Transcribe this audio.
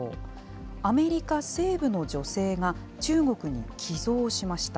アメリカ西部の女性が、中国に寄贈しました。